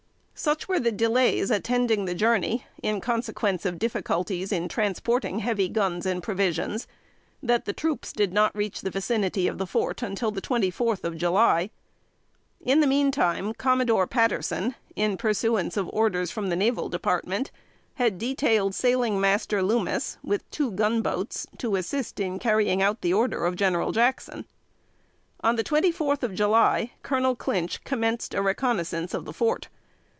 Such were the delays attending the journey, in consequence of difficulties in transporting heavy guns and provisions, that the troops did not reach the vicinity of the fort until the twenty fourth of July. In the meantime, Commodore Patterson, in pursuance of orders from the naval department, had detailed Sailing Master Loomis, with two gun boats, to assist in carrying out the order of General Jackson. On the twenty fourth of July, Colonel Clinch commenced a reconnoisance of the fort.